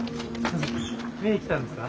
見に来たんですか？